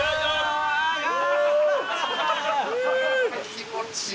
気持ちいいな！